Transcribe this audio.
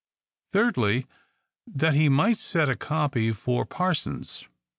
Thirdly, that he might set a copy for par sons.